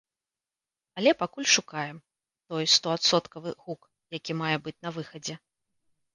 Але пакуль шукаем той стоадсоткавы гук, які мае быць на выхадзе.